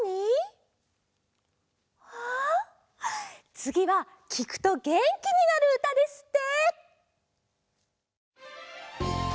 つぎはきくとげんきになるうたですって！